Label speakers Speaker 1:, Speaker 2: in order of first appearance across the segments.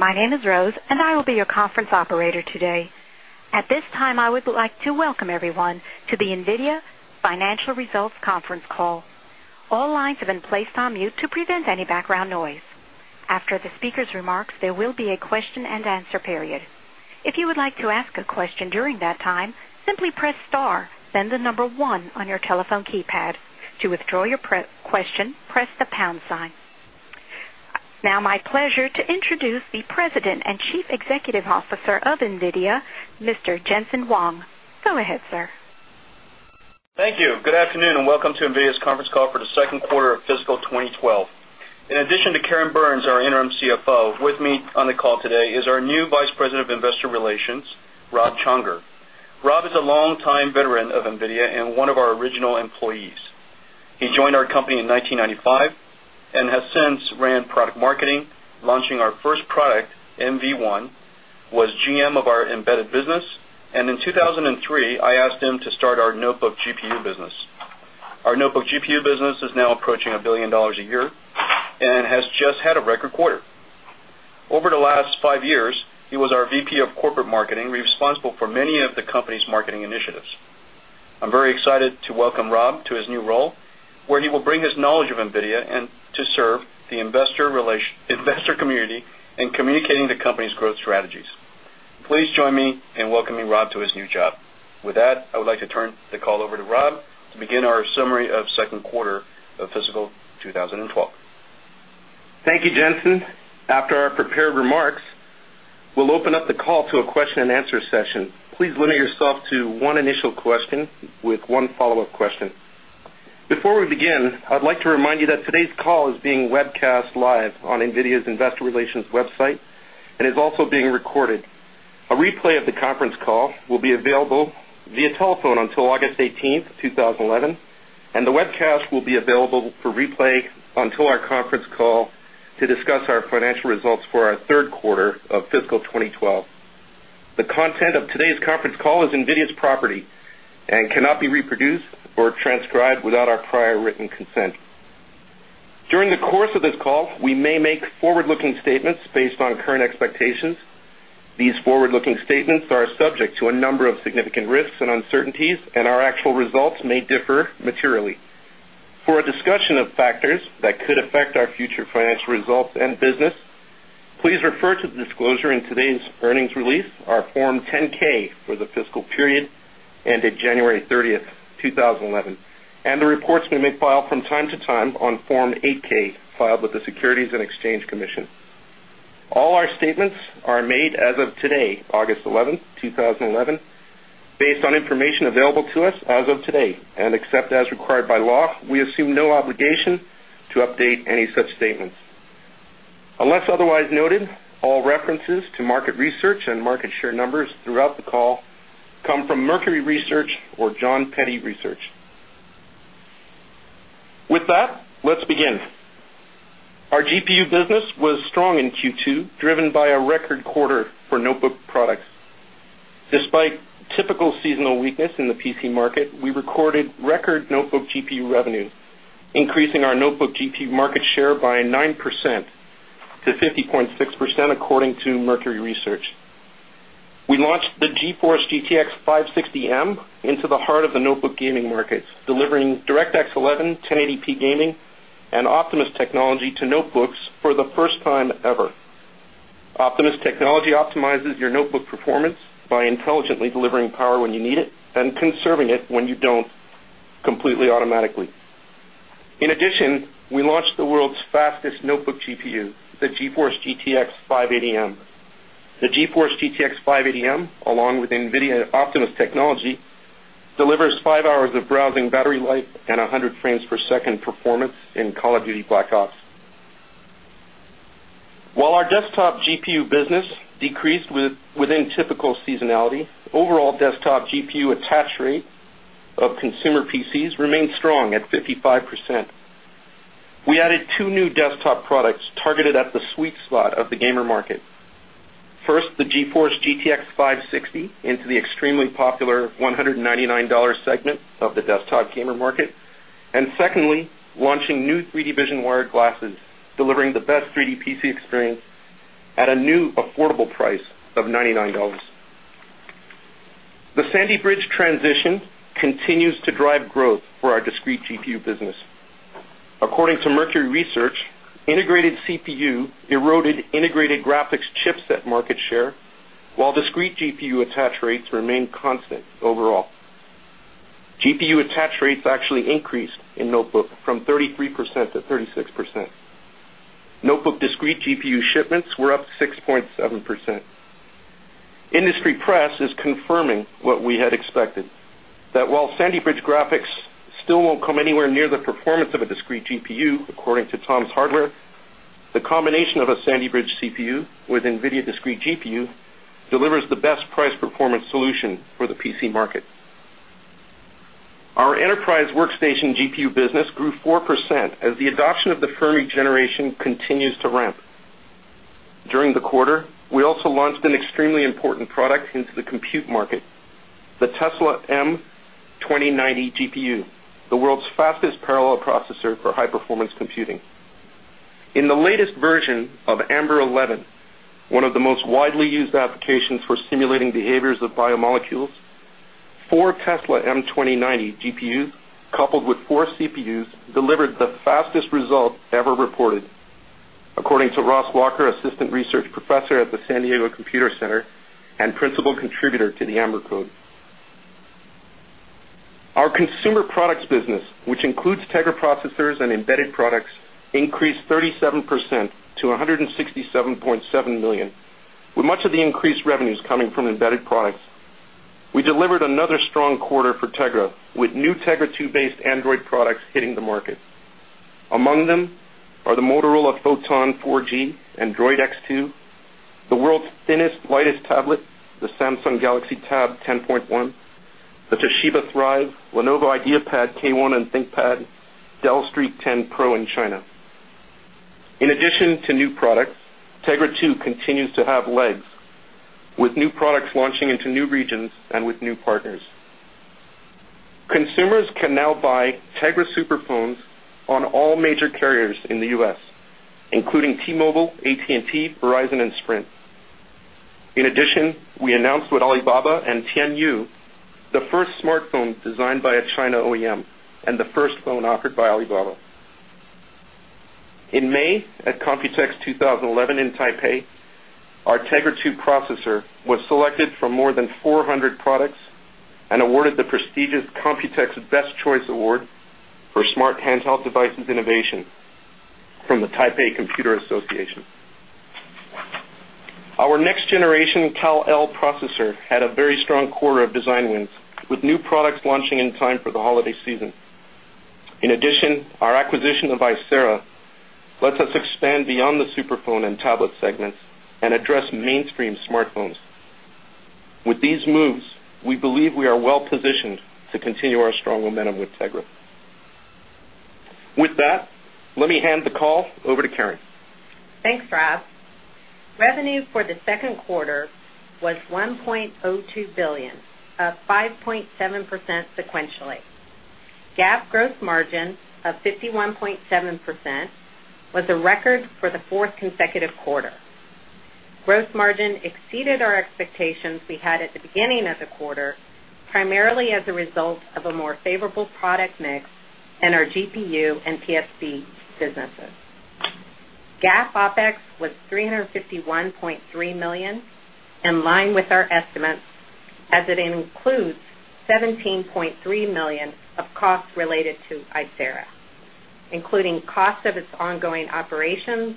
Speaker 1: My name is Rose, and I will be your conference operator today. At this time, I would like to welcome everyone to the NVIDIA Financial Results Conference Call. All lines have been placed on mute to prevent any background noise. After the speaker's remarks, there will be a question and answer period. If you would like to ask a question during that time, simply press star then the number one on your telephone keypad. To withdraw your question, press the pound sign. Now, my pleasure to introduce the President and Chief Executive Officer of NVIDIA, Mr. Jen-Hsun Huang. Go ahead, sir.
Speaker 2: Thank you. Good afternoon and welcome to NVIDIA's Conference Call for the second quarter of fiscal 2012. In addition to Karen Burns, our Interim CFO, with me on the call today is our new Vice President of Investor Relations, Rob Csongor. Rob is a long-time veteran of NVIDIA and one of our original employees. He joined our company in 1995 and has since ran product marketing, launching our first product, NV1, was GM of our embedded business. In 2003, I asked him to start our notebook GPU business. Our notebook GPU business is now approaching $1 billion a year and has just had a record quarter. Over the last five years, he was our VP of Corporate Marketing, responsible for many of the company's marketing initiatives. I'm very excited to welcome Rob to his new role, where he will bring his knowledge of NVIDIA and to serve the investor community in communicating the company's growth strategies. Please join me in welcoming Rob to his new job. With that, I would like to turn the call over to Rob to begin our summary of the second quarter of fiscal 2012.
Speaker 3: Thank you, Jen-Hsun. After our prepared remarks, we'll open up the call to a question and answer session. Please limit yourself to one initial question with one follow-up question. Before we begin, I'd like to remind you that today's call is being webcast live on NVIDIA's Investor Relations website and is also being recorded. A replay of the conference call will be available via telephone until August 18th, 2011, and the webcast will be available for replay until our conference call to discuss our financial results for our third quarter of fiscal 2012. The content of today's conference call is NVIDIA's property and cannot be reproduced or transcribed without our prior written consent. During the course of this call, we may make forward-looking statements based on current expectations. These forward-looking statements are subject to a number of significant risks and uncertainties, and our actual results may differ materially. For a discussion of factors that could affect our future financial results and business, please refer to the disclosure in today's earnings release, our Form 10-K for the fiscal period ended January 30th, 2011, and the reports we may file from time to time on Form 8-K filed with the Securities and Exchange Commission. All our statements are made as of today, August 11, 2011, based on information available to us as of today and except as required by law. We assume no obligation to update any such statements. Unless otherwise noted, all references to market research and market share numbers throughout the call come from Mercury Research or John Petty Research. With that, let's begin. Our GPU business was strong in Q2, driven by a record quarter for notebook products. Despite typical seasonal weakness in the PC market, we recorded record notebook GPU revenue, increasing our notebook GPU market share by 9% to 50.6% according to Mercury Research. We launched the GeForce GTX 560M into the heart of the notebook gaming markets, delivering DirectX 11 1080p gaming and Optimus technology to notebooks for the first time ever. Optimus technology optimizes your notebook performance by intelligently delivering power when you need it and conserving it when you don't completely automatically. In addition, we launched the world's fastest notebook GPU, the GeForce GTX 580M. The GeForce GTX 580M, along with NVIDIA Optimus technology, delivers five hours of browsing battery life and 100 frames per second performance in Call of Duty: Black Ops. While our desktop GPU business decreased within typical seasonality, the overall desktop GPU attach rate of consumer PCs remains strong at 55%. We added two new desktop products targeted at the sweet spot of the gamer market. First, the GeForce GTX 560 into the extremely popular $199 segment of the desktop gamer market, and secondly, launching new 3D Vision Wireless glasses, delivering the best 3D PC experience at a new affordable price of $99. The Sandy Bridge transition continues to drive growth for our discrete GPU business. According to Mercury Research, integrated CPU eroded integrated graphics chips at market share, while discrete GPU attach rates remain constant overall. GPU attach rates actually increased in notebook from 33% to 36%. Notebook discrete GPU shipments were up 6.7%. Industry press is confirming what we had expected, that while Sandy Bridge graphics still won't come anywhere near the performance of a discrete GPU according to Tom's Hardware, the combination of a Sandy Bridge CPU with NVIDIA discrete GPU delivers the best price performance solution for the PC market. Our enterprise workstation GPU business grew 4% as the adoption of the Fermi generation continues to ramp. During the quarter, we also launched an extremely important product into the compute market, the Tesla M2090 GPU, the world's fastest parallel processor for high-performance computing. In the latest version of Amber 11, one of the most widely used applications for simulating behaviors of biomolecules, four Tesla M2090 GPUs coupled with four CPUs delivered the fastest result ever reported, according to Ross Walker, Assistant Research Professor at the San Diego Computer Center and principal contributor to the Amber code. Our consumer products business, which includes Tegra processors and embedded products, increased 37% to $167.7 million, with much of the increased revenues coming from embedded products. We delivered another strong quarter for Tegra with new Tegra 2-based Android products hitting the market. Among them are the Motorola Photon 4G and Droid X2, the world's thinnest lightest tablet, the Samsung Galaxy Tab 10.1, the Toshiba Thrive, Lenovo IdeaPad K1 and ThinkPad, Dell Streak 10 Pro in China. In addition to new products, Tegra 2 continues to have legs, with new products launching into new regions and with new partners. Consumers can now buy Tegra superphones on all major carriers in the U.S., including T-Mobile, AT&T, Verizon, and Sprint. In addition, we announced with Alibaba and Tianyu the first smartphone designed by a China OEM and the first phone offered by Alibaba. In May, at Computex 2011 in Taipei, our Tegra 2 processor was selected from more than 400 products and awarded the prestigious Computex Best Choice Award for Smart Handheld Devices Innovation from the Taipei Computer Association. Our next-generation Kal-El processor had a very strong quarter of design wins, with new products launching in time for the holiday season. In addition, our acquisition of Icera lets us expand beyond the superphone and tablet segments and address mainstream smartphones. With these moves, we believe we are well-positioned to continue our strong momentum with Tegra. With that, let me hand the call over to Karen.
Speaker 4: Thanks, Rob. Revenue for the second quarter was $1.02 billion, up 5.7% sequentially. GAAP gross margin of 51.7% was a record for the fourth consecutive quarter. Gross margin exceeded our expectations we had at the beginning of the quarter, primarily as a result of a more favorable product mix and our GPU and PSP businesses. GAAP OpEx was $351.3 million, in line with our estimates, as it includes $17.3 million of costs related to Icera, including costs of its ongoing operations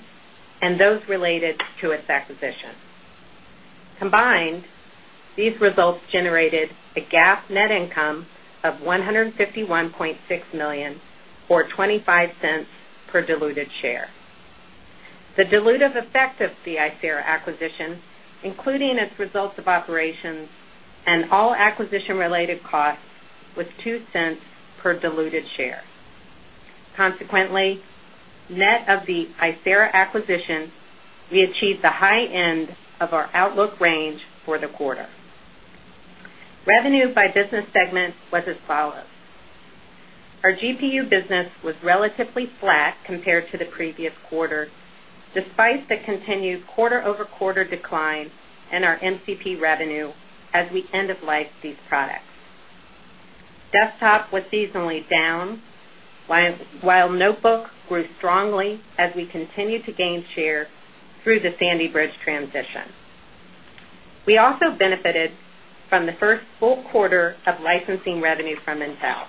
Speaker 4: and those related to its acquisition. Combined, these results generated a GAAP net income of $151.6 million or $0.25 per diluted share. The dilutive effect of the Icera acquisition, including its results of operations and all acquisition-related costs, was $0.02 per diluted share. Consequently, net of the Icera acquisition, we achieved the high end of our outlook range for the quarter. Revenue by business segment was as follows: our GPU business was relatively flat compared to the previous quarter, despite the continued quarter-over-quarter decline in our MCP revenue as we end of life these products. Desktop was seasonally down, while notebook grew strongly as we continued to gain share through the Sandy Bridge transition. We also benefited from the first full quarter of licensing revenue from Intel.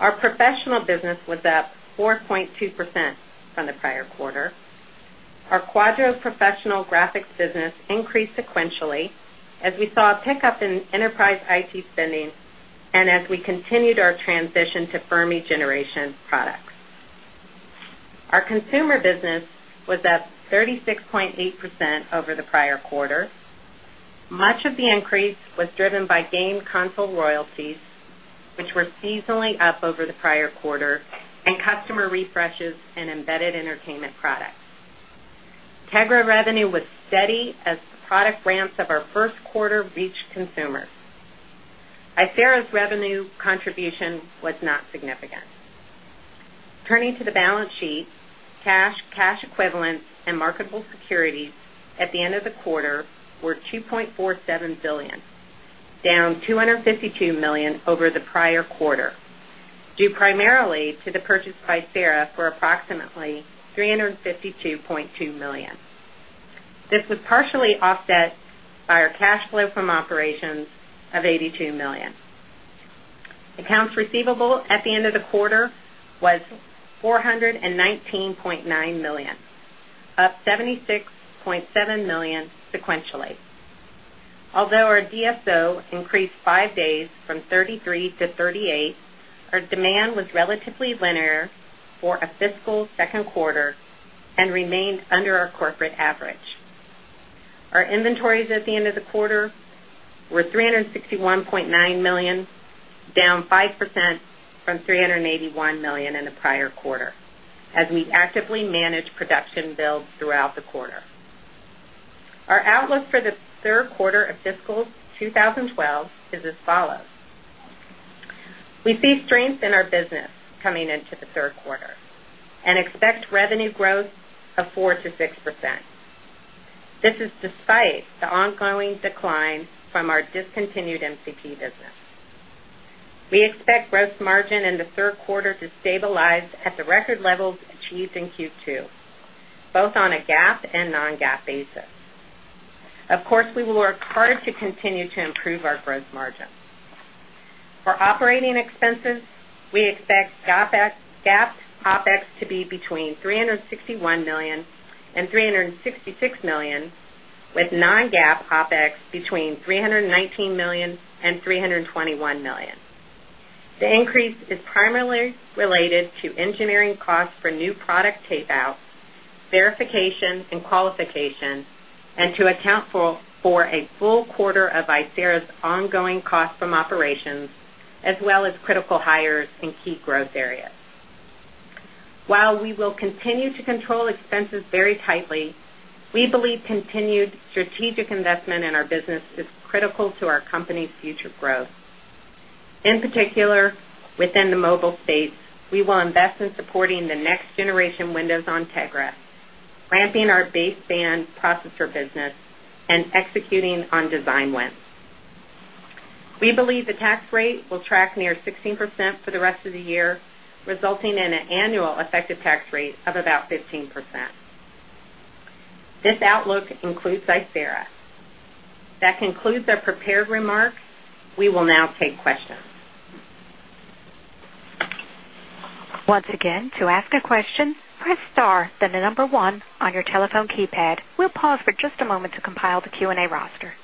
Speaker 4: Our professional business was up 4.2% from the prior quarter. Our Quadro professional graphics business increased sequentially as we saw a pickup in enterprise IT spending and as we continued our transition to Fermi generation products. Our consumer business was up 36.8% over the prior quarter. Much of the increase was driven by game console royalties, which were seasonally up over the prior quarter, and customer refreshes and embedded entertainment products. Tegra revenue was steady as the product ramps of our first quarter reached consumers. Icera's revenue contribution was not significant. Turning to the balance sheet, cash, cash equivalents, and marketable securities at the end of the quarter were $2.47 billion, down $252 million over the prior quarter, due primarily to the purchase of Icera for approximately $352.2 million. This was partially offset by our cash flow from operations of $82 million. Accounts receivable at the end of the quarter was $419.9 million, up $76.7 million sequentially. Although our DSO increased five days from 33 to 38, our demand was relatively linear for a fiscal second quarter and remained under our corporate average. Our inventories at the end of the quarter were $361.9 million, down 5% from $381 million in the prior quarter, as we actively managed production builds throughout the quarter. Our outlook for the third quarter of fiscal 2012 is as follows: we see strength in our business coming into the third quarter and expect revenue growth of 4%-6%. This is despite the ongoing decline from our discontinued MCP business. We expect gross margin in the third quarter to stabilize at the record levels achieved in Q2, both on a GAAP and non-GAAP basis. Of course, we will work hard to continue to improve our gross margin. For operating expenses, we expect GAAP OpEx to be between $361 million and $366 million, with non-GAAP OpEx between $319 million and $321 million. The increase is primarily related to engineering costs for new product tapeout, verification, and qualification, and to account for a full quarter of Icera's ongoing costs from operations, as well as critical hires in key growth areas. While we will continue to control expenses very tightly, we believe continued strategic investment in our business is critical to our company's future growth. In particular, within the mobile space, we will invest in supporting the next-generation Windows on Tegra, ramping our baseband processor business, and executing on design wins. We believe the tax rate will track near 16% for the rest of the year, resulting in an annual effective tax rate of about 15%. This outlook includes Icera. That concludes our prepared remark. We will now take questions.
Speaker 1: Once again, to ask a question, press star then the number one on your telephone keypad. We'll pause for just a moment to compile the Q&A roster.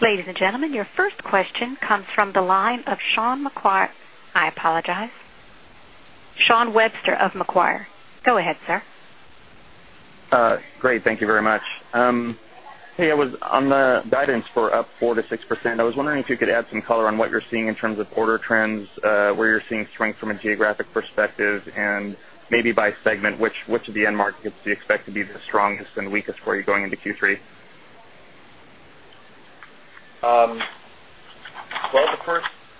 Speaker 1: Ladies and gentlemen, your first question comes from the line of Shawn Webster of Macquarie. Go ahead, sir.
Speaker 5: Great, thank you very much. Hey, I was on the guidance for up 4%-6%. I was wondering if you could add some color on what you're seeing in terms of order trends, where you're seeing strength from a geographic perspective, and maybe by segment, which of the end markets do you expect to be the strongest and weakest for you going into Q3?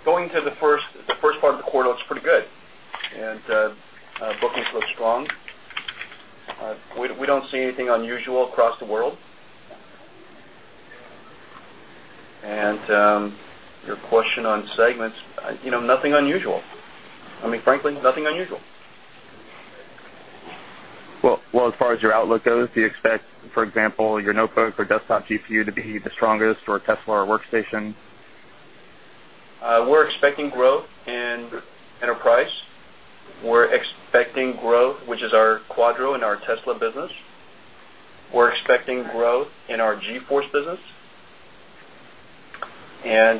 Speaker 2: Going to the first part of the quarter, it looks pretty good. Bookings look strong. We don't see anything unusual across the world. Your question on segments, you know, nothing unusual. I mean, frankly, nothing unusual.
Speaker 5: As far as your outlook goes, do you expect, for example, your notebook or desktop GPU to be the strongest or Tesla or workstation?
Speaker 2: We're expecting growth in enterprise. We're expecting growth, which is our Quadro and our Tesla business. We're expecting growth in our GeForce business. We're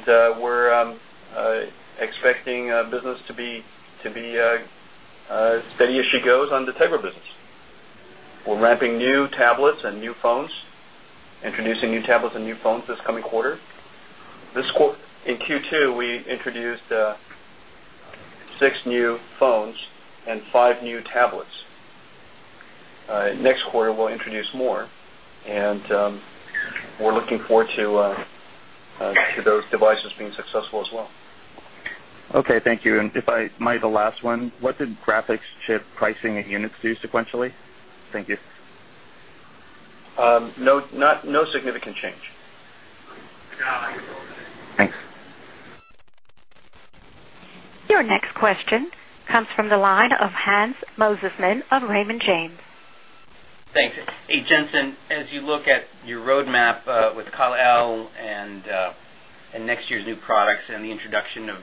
Speaker 2: expecting business to be steady as she goes on the Tegra business. We're ramping new tablets and new phones, introducing new tablets and new phones this coming quarter. In Q2, we introduced six new phones and five new tablets. Next quarter, we'll introduce more. We're looking forward to those devices being successful as well.
Speaker 5: Okay, thank you. If I might, the last one, what did graphics chip pricing and units do sequentially? Thank you.
Speaker 2: No, no significant change.
Speaker 1: Your next question comes from the line of Hans Mosesmann of Raymond James.
Speaker 6: Thanks. Hey, Jen-Hsun, as you look at your roadmap with Kal-El and next year's new products and the introduction of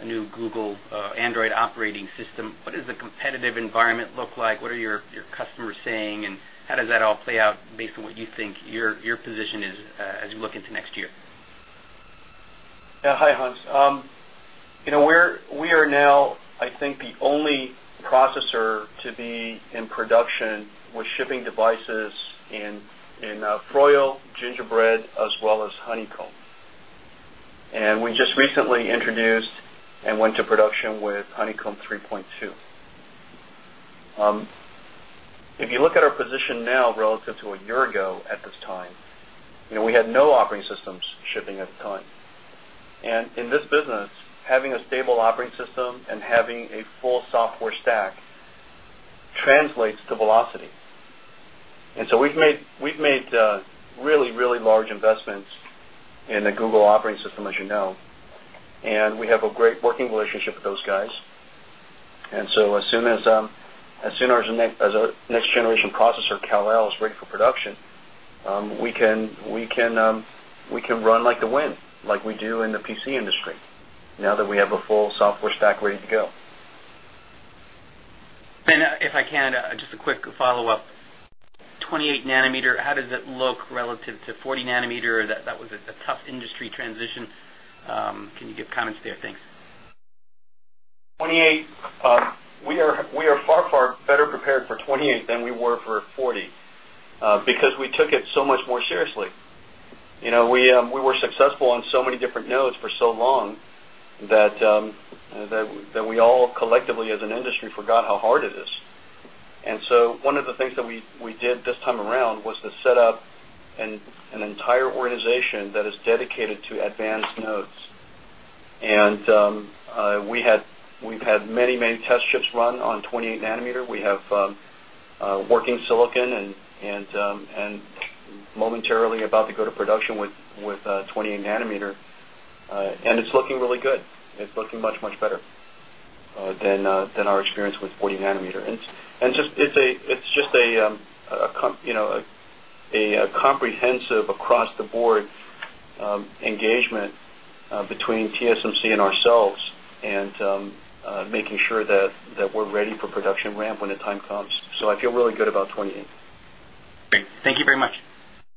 Speaker 6: a new Google Android operating system, what does the competitive environment look like? What are your customers saying? How does that all play out based on what you think your position is as you look into next year?
Speaker 2: Yeah, hi, Hans. We are now, I think, the only processor to be in production with shipping devices in Froyo, Gingerbread, as well as Honeycomb. We just recently introduced and went to production with Honeycomb 3.2. If you look at our position now relative to a year ago at this time, we had no operating systems shipping at the time. In this business, having a stable operating system and having a full software stack translates to velocity. We have made really, really large investments in the Google operating system, as you know. We have a great working relationship with those guys. As soon as our next-generation processor Kal-El is ready for production, we can run like the wind, like we do in the PC industry now that we have a full software stack ready to go.
Speaker 6: If I can, just a quick follow-up. 28 nm, how does it look relative to 40 nmr? That was a tough industry transition. Can you give comments there? Thanks.
Speaker 2: We are far, far better prepared for 28 nm than we were for 40 nm because we took it so much more seriously. You know, we were successful on so many different nodes for so long that we all collectively as an industry forgot how hard it is. One of the things that we did this time around was to set up an entire organization that is dedicated to advanced nodes. We've had many main test chips run on 28 nm. We have working silicon and momentarily about to go to production with 28 nm. It's looking really good. It's looking much, much better than our experience with 40 nm. It's just a comprehensive across-the-board engagement between TSMC and ourselves, making sure that we're ready for production ramp when the time comes. I feel really good about 28 nm.
Speaker 6: Thank you very much.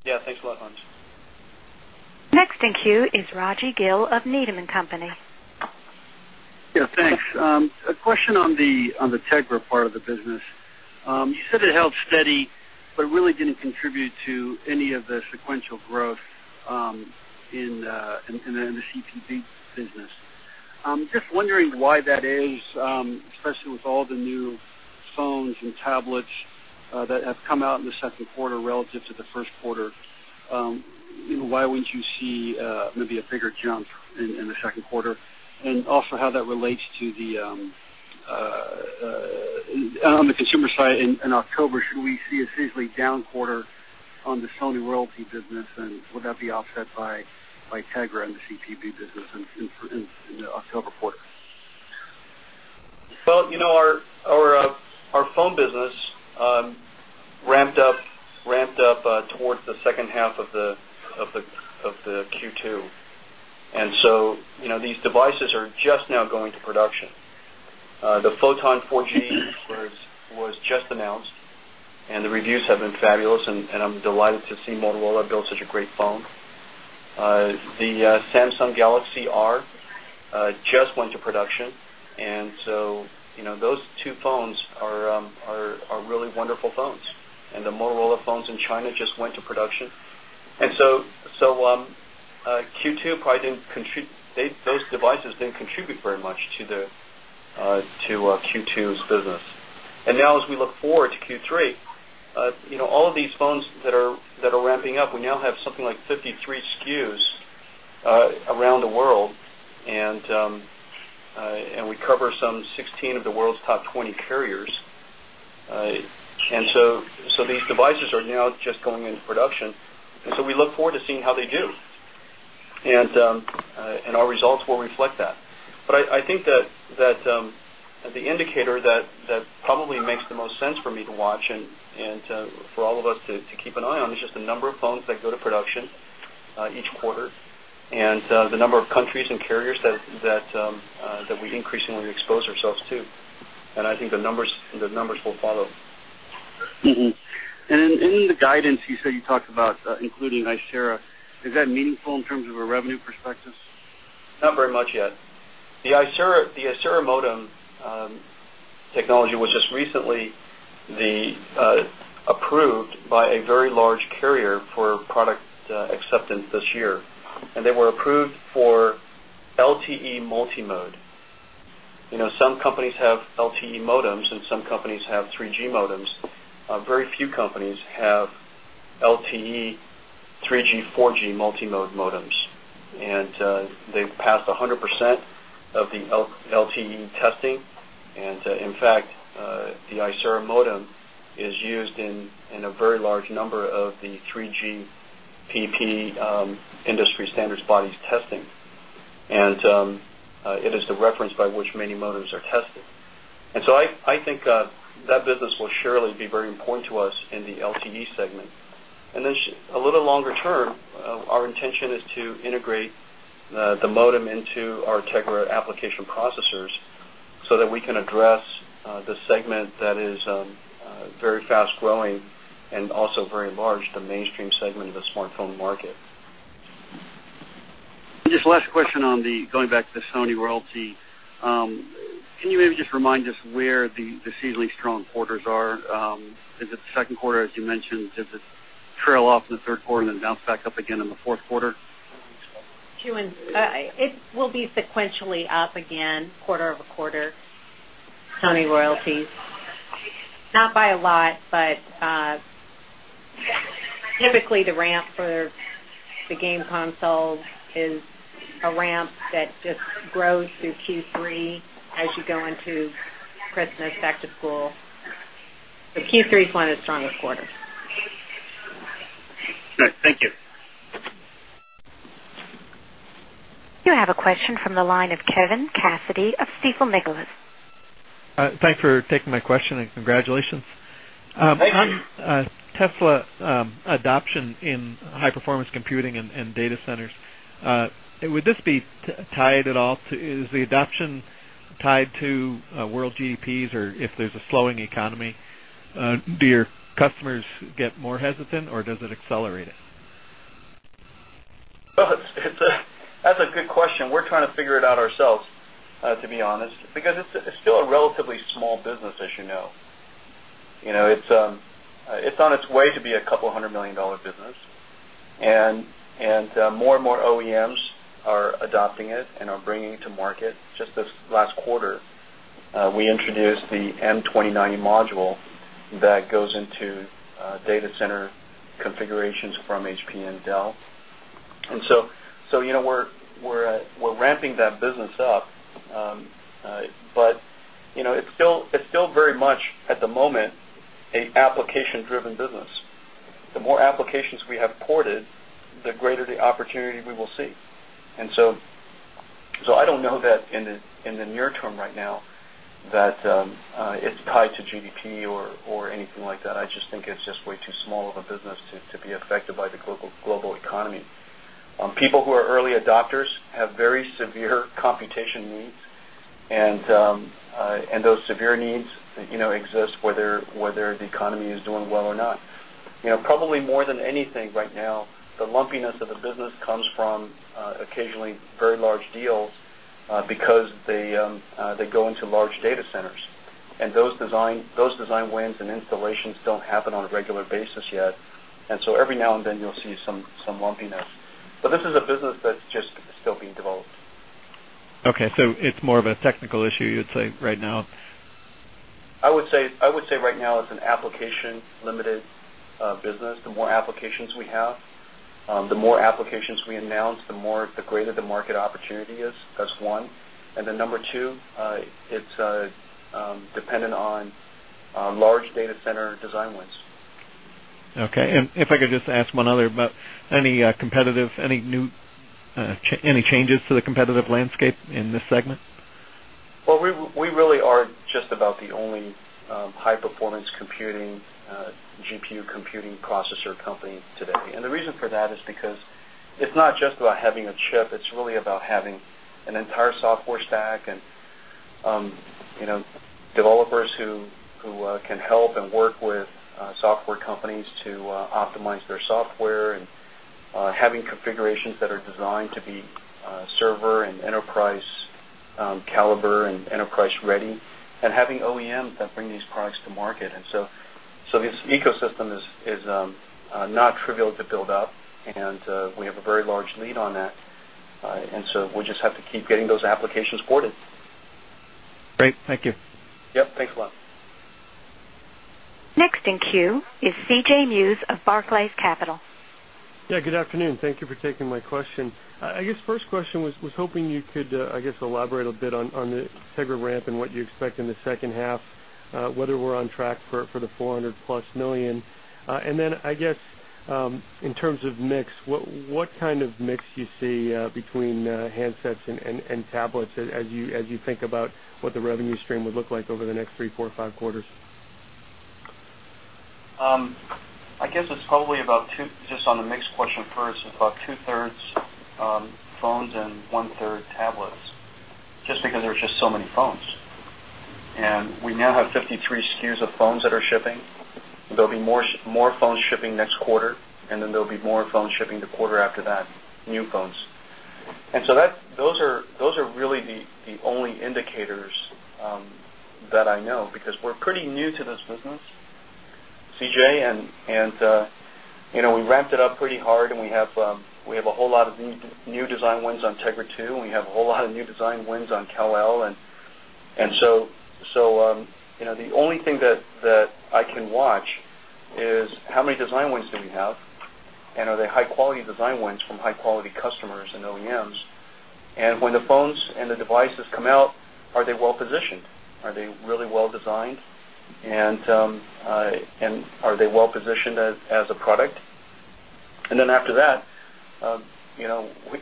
Speaker 2: Yeah, thanks a lot, Hans.
Speaker 1: Next in queue is Raji Gill of Needham & Company.
Speaker 7: Yeah, thanks. A question on the Tegra part of the business. You said it held steady but really didn't contribute to any of the sequential growth in the CPV business. I'm just wondering why that is, especially with all the new phones and tablets that have come out in the second quarter relative to the first quarter. Why wouldn't you see maybe a bigger jump in the second quarter? Also, how that relates to the on the consumer side in October. Should we see a seasonally down quarter on the Sony royalty business? Would that be offset by Tegra in the CPV business in October 4th?
Speaker 2: Our phone business ramped up towards the second half of Q2. These devices are just now going to production. The Photon 4G was just announced, and the reviews have been fabulous. I'm delighted to see Motorola build such a great phone. The Samsung Galaxy R just went to production. Those two phones are really wonderful phones. The Motorola phones in China just went to production. Q2 probably didn't contribute. Those devices didn't contribute very much to Q2's business. As we look forward to Q3, all of these phones that are ramping up, we now have something like 53 SKUs around the world. We cover some 16 of the world's top 20 carriers. These devices are now just going into production. We look forward to seeing how they do, and our results will reflect that. I think that the indicator that probably makes the most sense for me to watch and for all of us to keep an eye on is just the number of phones that go to production each quarter and the number of countries and carriers that we increasingly expose ourselves to. I think the numbers will follow.
Speaker 7: In the guidance, you said you talked about including Icera. Is that meaningful in terms of a revenue perspective?
Speaker 2: Not very much yet. The Icera modem technology was just recently approved by a very large carrier for product acceptance this year. They were approved for LTE multimode. You know, some companies have LTE modems, and some companies have 3G modems. Very few companies have LTE, 3G, 4G multimode modems. They passed 100% of the LTE testing. In fact, the Icera modem is used in a very large number of the 3GPP industry standards bodies testing. It is the reference by which many modems are tested. I think that business will surely be very important to us in the LTE segment. A little longer term, our intention is to integrate the modem into our Tegra application processors so that we can address the segment that is very fast growing and also very large, the mainstream segment of the smartphone market.
Speaker 7: Just last question on the going back to the Sony royalty. Can you maybe just remind us where the seasonally strong quarters are? Is it the second quarter, as you mentioned? Does it trail off in the third quarter and then bounce back up again in the fourth quarter?
Speaker 4: It will be sequentially up again, quarter-over-quarter, Sony royalties. Not by a lot, but typically, the ramp for the game console is a ramp that just grows through Q3 as you go into Christmas after school. Q3 is one of the strongest quarters.
Speaker 1: You have a question from the line of Kevin Cassidy of Stifel, Nicolaus.
Speaker 8: Thanks for taking my question and congratulations. On Tesla adoption in high-performance computing and data centers, would this be tied at all to is the adoption tied to world GDPs or if there's a slowing economy? Do your customers get more hesitant, or does it accelerate it?
Speaker 2: That's a good question. We're trying to figure it out ourselves, to be honest, because it's still a relatively small business, as you know. It's on its way to be a couple hundred million dollar business, and more and more OEMs are adopting it and are bringing it to market. Just this last quarter, we introduced the M2090 module that goes into data center configurations from HP and Dell, and we're ramping that business up. It's still very much at the moment an application-driven business. The more applications we have ported, the greater the opportunity we will see. I don't know that in the near term right now that it's tied to GDP or anything like that. I just think it's just way too small of a business to be affected by the global economy. People who are early adopters have very severe computation needs, and those severe needs exist whether the economy is doing well or not. Probably more than anything right now, the lumpiness of the business comes from occasionally very large deals because they go into large data centers, and those design wins and installations don't happen on a regular basis yet. Every now and then, you'll see some lumpiness. This is a business that's just still being developed.
Speaker 8: Okay, so it's more of a technical issue, you'd say, right now?
Speaker 2: I would say right now it's an application-limited business. The more applications we have, the more applications we announce, the greater the market opportunity is, that's one. Number two, it's dependent on large data center design wins.
Speaker 8: Okay, if I could just ask one other about any competitive, any new changes to the competitive landscape in this segment?
Speaker 2: We really are just about the only high-performance computing GPU computing processor company today. The reason for that is because it's not just about having a chip. It's really about having an entire software stack and developers who can help and work with software companies to optimize their software, and having configurations that are designed to be server and enterprise caliber and enterprise ready, and having OEMs that bring these products to market. This ecosystem is not trivial to build up, and we have a very large lead on that. We'll just have to keep getting those applications ported.
Speaker 8: Great, thank you.
Speaker 2: Yep, thanks a lot.
Speaker 1: Next in queue is CJ Muse of Barclays Capital.
Speaker 9: Yeah, good afternoon. Thank you for taking my question. First question was hoping you could elaborate a bit on the Tegra ramp and what you expect in the second half, whether we're on track for the $400+ million. In terms of mix, what kind of mix do you see between handsets and tablets as you think about what the revenue stream would look like over the next three, four, or five quarters?
Speaker 2: I guess it's probably about two, just on the mix question first, it's about 2/3 phones and 1/3 tablets, just because there are just so many phones. We now have 53 SKUs of phones that are shipping. There'll be more phones shipping next quarter, and there'll be more phones shipping the quarter after that, new phones. Those are really the only indicators that I know because we're pretty new to this business, CJ. We ramped it up pretty hard, and we have a whole lot of new design wins on Tegra 2, and we have a whole lot of new design wins on Kal-El. The only thing that I can watch is how many design wins do we have, and are they high-quality design wins from high-quality customers and OEMs? When the phones and the devices come out, are they well-positioned? Are they really well-designed? Are they well-positioned as a product? After that,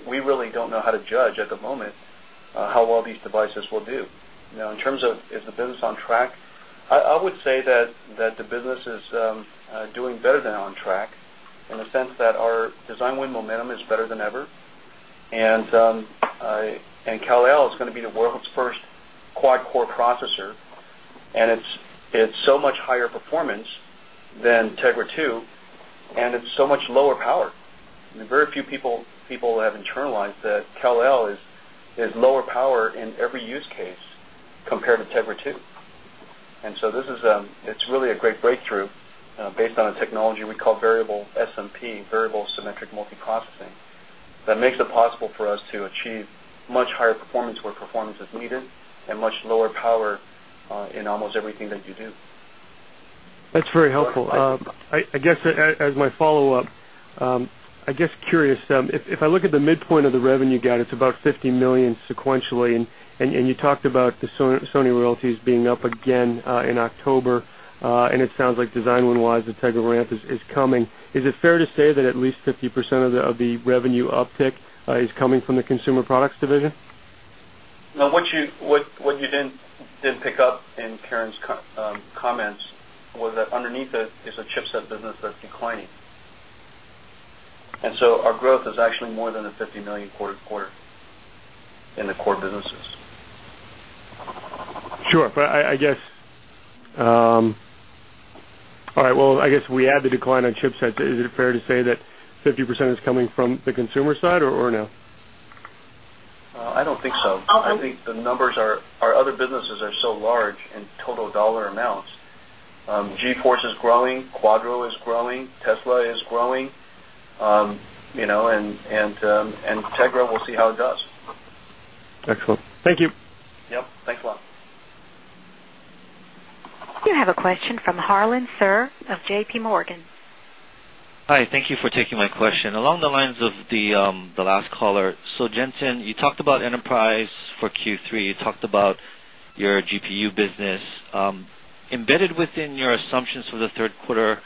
Speaker 2: we really don't know how to judge at the moment how well these devices will do. In terms of is the business on track, I would say that the business is doing better than on track in the sense that our design win momentum is better than ever. Kal-El is going to be the world's first quad-core processor. It's so much higher performance than Tegra 2, and it's so much lower power. Very few people have internalized that Kal-El is lower power in every use case compared to Tegra 2. This is really a great breakthrough based on a technology we call variable SMP, variable symmetric multi-processing, that makes it possible for us to achieve much higher performance where performance is needed and much lower power in almost everything that you do.
Speaker 9: That's very helpful. I guess as my follow-up, I'm curious, if I look at the midpoint of the revenue gap, it's about $50 million sequentially. You talked about the Sony royalties being up again in October. It sounds like design win-wise, the Tegra ramp is coming. Is it fair to say that at least 50% of the revenue uptick is coming from the consumer products division?
Speaker 2: What you didn't pick up in Karen's comments was that underneath it is a chipset business that's declining. Our growth is actually more than a $50 million quarter-to-quarter in the core businesses.
Speaker 9: Sure, I guess we add the decline on chipset. Is it fair to say that 50% is coming from the consumer side or no?
Speaker 2: I don't think so. I think the numbers are, our other businesses are so large in total dollar amounts. GeForce is growing, Quadro is growing, Tesla is growing, you know, and Tegra we'll see how it does.
Speaker 9: Excellent. Thank you.
Speaker 2: Yep, thanks a lot.
Speaker 1: You have a question from Harlan Sur of JPMorgan.
Speaker 10: Hi, thank you for taking my question. Along the lines of the last caller, Jen-Hsun, you talked about enterprise for Q3. You talked about your GPU business. Embedded within your assumptions for the third quarter,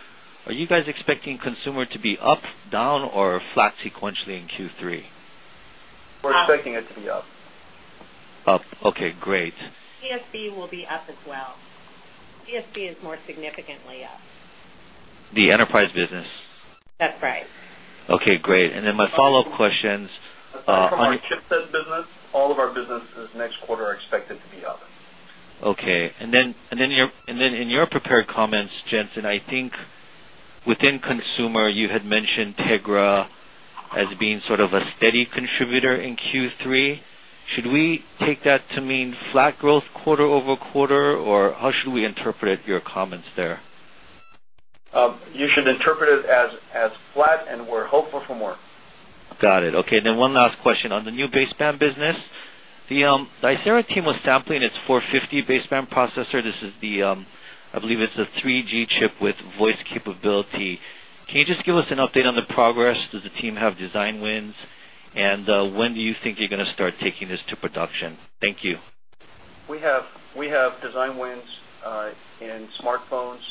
Speaker 10: are you guys expecting consumer to be up, down, or flat sequentially in Q3?
Speaker 2: We're expecting it to be up.
Speaker 10: Okay, great.
Speaker 4: TSC will be up as well. TSC is more significantly up.
Speaker 10: The enterprise business?
Speaker 4: That's right.
Speaker 10: Okay, great. My follow-up questions.
Speaker 2: For our MCP chipset business, all of our businesses next quarter are expected to be up.
Speaker 10: Okay. In your prepared comments, Jen-Hsun, I think within consumer, you had mentioned Tegra as being sort of a steady contributor in Q3. Should we take that to mean flat growth quarter-over-quarter, or how should we interpret your comments there?
Speaker 2: You should interpret it as flat, and we're hopeful for more.
Speaker 10: Got it. Okay. One last question on the new baseband business. The Icera team was sampling its 450 baseband processor. This is the, I believe it's a 3G chip with voice capability. Can you just give us an update on the progress? Does the team have design wins? When do you think you're going to start taking this to production? Thank you.
Speaker 2: We have design wins in smartphones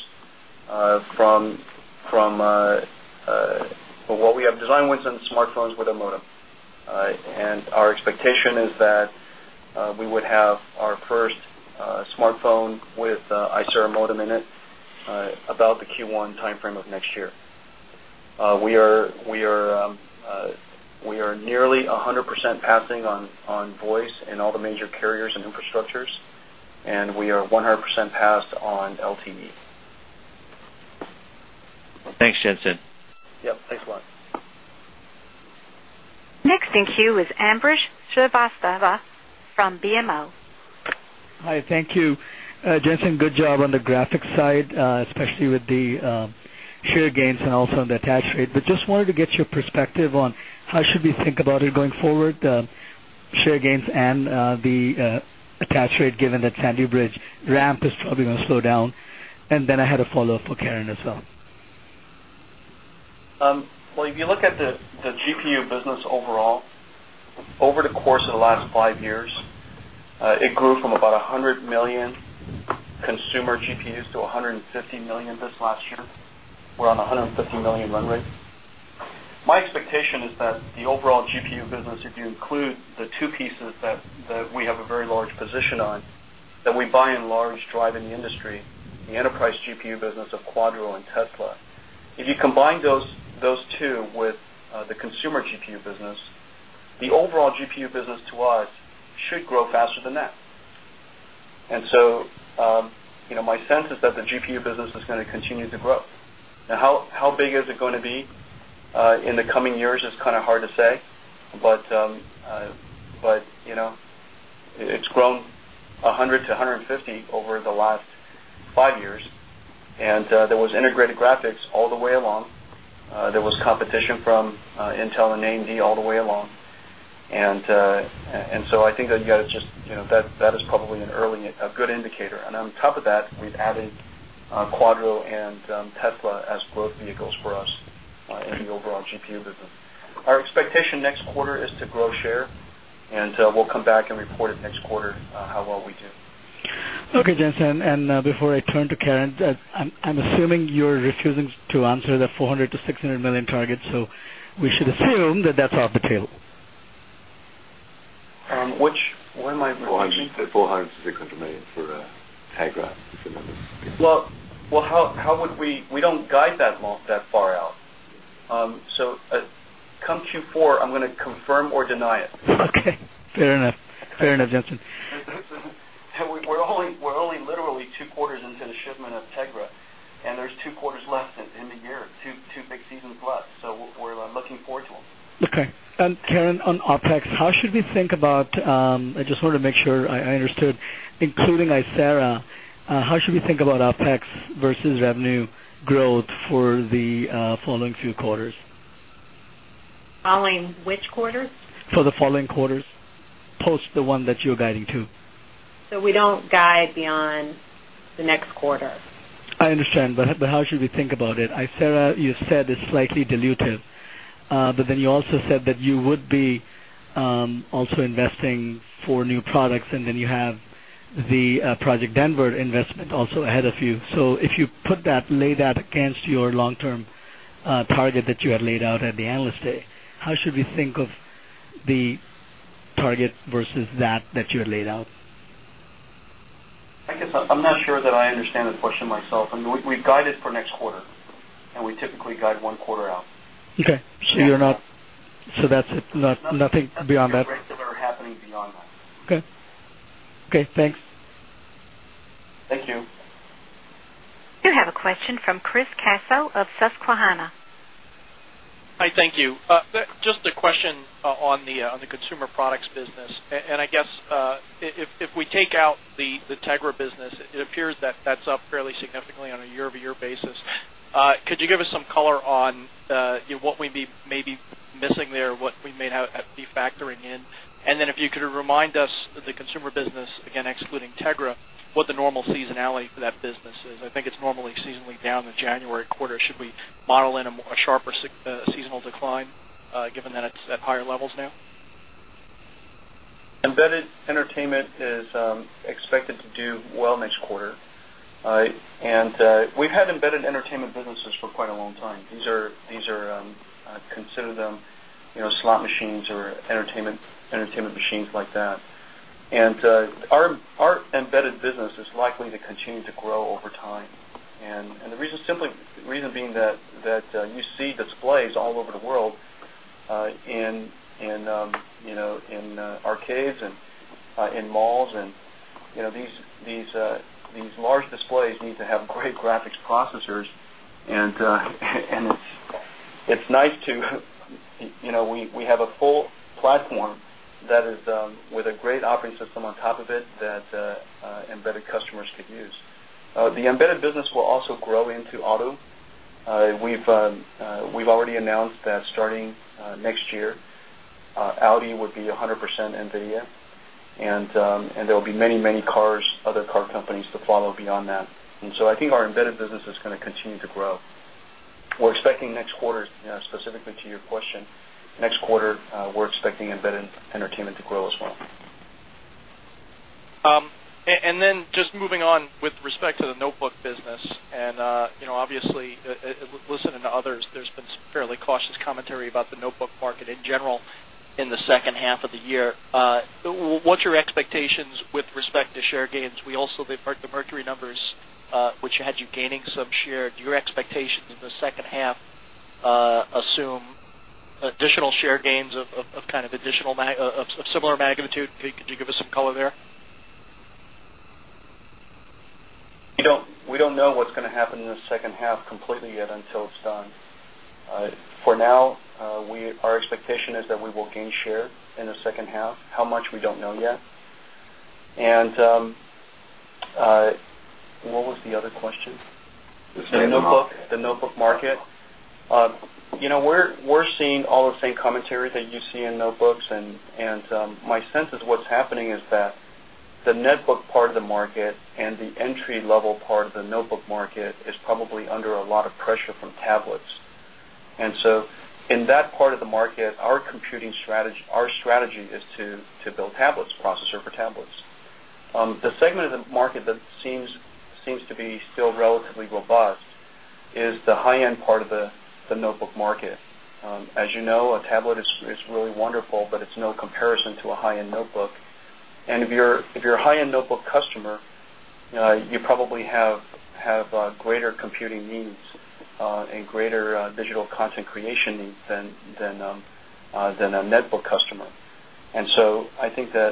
Speaker 2: with a modem. Our expectation is that we would have our first smartphone with Icera modem in it about the Q1 timeframe of next year. We are nearly 100% passing on voice in all the major carriers and infrastructures. We are 100% passed on LTEs.
Speaker 10: Thanks, Jen-Hsun.
Speaker 2: Yep, thanks a lot.
Speaker 1: Next in queue is Ambrish Srivastava from BMO.
Speaker 11: Hi, thank you. Jen-Hsun, good job on the graphics side, especially with the share gains and also the attach rate. I just wanted to get your perspective on how should we think about it going forward, the share gains and the attach rate, given that Sandy Bridge ramp is probably going to slow down. I had a follow-up for Karen as well.
Speaker 2: If you look at the GPU business overall, over the course of the last five years, it grew from about 100 million consumer GPUs to 150 million this last year. We're on a 150 million run rate. My expectation is that the overall GPU business, if you include the two pieces that we have a very large position on, that we buy in large drive in the industry, the enterprise GPU business of Quadro and Tesla. If you combine those two with the consumer GPU business, the overall GPU business to us should grow faster than that. You know, my sense is that the GPU business is going to continue to grow. Now, how big is it going to be in the coming years is kind of hard to say. You know, it's grown 100 million to 150 million over the last five years. There was integrated graphics all the way along. There was competition from Intel and AMD all the way along. I think that you guys just, you know, that is probably a good indicator. On top of that, we've added Quadro and Tesla as growth vehicles for us in the overall GPU business. Our expectation next quarter is to grow share. We'll come back and report it next quarter how well we do.
Speaker 11: Okay, Jen-Hsun. Before I turn to Karen, I'm assuming you're refusing to answer the $400 million-$600 million target. We should assume that that's off the table.
Speaker 3: [What am I realizing? That $400 million is a good amount] for Tegra.
Speaker 2: We don't guide that far out. Come Q4, I'm going to confirm or deny it.
Speaker 11: Okay, fair enough. Fair enough, Jen-Hsun.
Speaker 2: We're only literally two quarters into the shipment of Tegra, and there's two quarters left in the year, two big seasons left. We're looking forward to it.
Speaker 11: Karen, on OpEx, how should we think about, I just wanted to make sure I understood, including Icera, how should we think about OpEx versus revenue growth for the following few quarters?
Speaker 4: Following which quarters?
Speaker 11: For the following quarters, post the one that you're guiding to.
Speaker 4: We don't guide beyond the next quarter.
Speaker 11: I understand. How should we think about it? Icera, you said it's slightly dilutive. You also said that you would be also investing for new products. You have the Project Denver investment also ahead of you. If you put that, lay that against your long-term target that you had laid out at the analyst day, how should we think of the target versus that that you had laid out?
Speaker 2: I guess I'm not sure that I understand the question myself. I mean, we've guided for next quarter, and we typically guide one quarter out.
Speaker 11: Okay, that's it, nothing beyond that?
Speaker 2: Or happening beyond that.
Speaker 11: Okay, thanks.
Speaker 2: Thank you.
Speaker 1: You have a question from Chris Caso of Susquehanna.
Speaker 12: Hi, thank you. Just a question on the consumer products business. I guess if we take out the Tegra business, it appears that that's up fairly significantly on a year-over-year basis. Could you give us some color on what we may be missing there, what we may have to be factoring in? If you could remind us, the consumer business, again, excluding Tegra, what the normal seasonality for that business is. I think it's normally seasonally down in the January quarter. Should we model in a sharper seasonal decline, given that it's at higher levels now?
Speaker 2: Embedded entertainment is expected to do well next quarter. We've had embedded entertainment businesses for quite a long time. These are, consider them, you know, slot machines or entertainment machines like that. Our embedded business is likely to continue to grow over time. The reason being that you see displays all over the world, in arcades and in malls. These large displays need to have great graphics processors. It's nice to, you know, we have a full platform that is with a great operating system on top of it that embedded customers could use. The embedded business will also grow into auto. We've already announced that starting next year, Audi would be 100% NVIDIA. There will be many, many cars, other car companies to follow beyond that. I think our embedded business is going to continue to grow. We're expecting next quarter, specifically to your question, next quarter, we're expecting embedded entertainment to grow as well.
Speaker 12: Moving on with respect to the notebook business, obviously, listening to others, there's been fairly cautious commentary about the notebook market in general in the second half of the year. What's your expectations with respect to share gains? We also did break the Mercury Research numbers, which had you gaining some share. Do your expectations in the second half assume additional share gains of similar magnitude? Could you give us some color there?
Speaker 2: We don't know what's going to happen in the second half completely yet until it's done. For now, our expectation is that we will gain share in the second half. How much, we don't know yet. What was the other question? The notebook market? We're seeing all the same commentary that you see in notebooks. My sense is what's happening is that the netbook part of the market and the entry-level part of the notebook market is probably under a lot of pressure from tablets. In that part of the market, our strategy is to build tablets, processor for tablets. The segment of the market that seems to be still relatively robust is the high-end part of the notebook market. As you know, a tablet is really wonderful, but it's no comparison to a high-end notebook. If you're a high-end notebook customer, you probably have greater computing needs and greater digital content creation needs than a netbook customer. I think that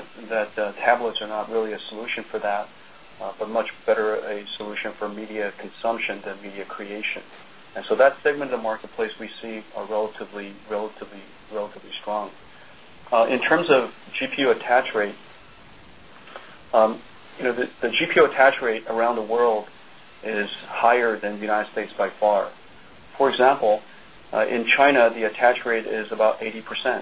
Speaker 2: tablets are not really a solution for that, but much better a solution for media consumption than media creation. That segment of the marketplace we see are relatively, relatively, relatively strong. In terms of GPU attach rate, the GPU attach rate around the world is higher than the United States by far. For example, in China, the attach rate is about 80%.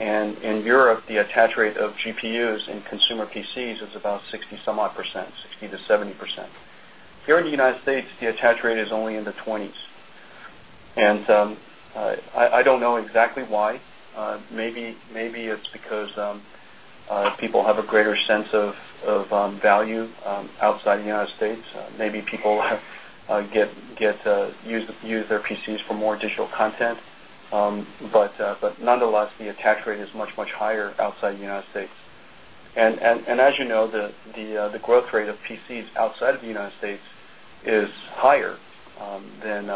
Speaker 2: In Europe, the attach rate of GPUs in consumer PCs is about 60%-some odd, 60%-70%. Here in the United States, the attach rate is only in the 20s percent. I don't know exactly why. Maybe it's because people have a greater sense of value outside United States Maybe people use their PCs for more digital content. Nonetheless, the attach rate is much, much higher outside the United States. As you know, the growth rate of PCs outside of the United States is higher than